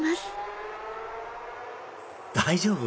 大丈夫？